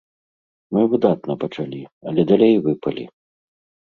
Мы выдатна пачалі, але далей выпалі.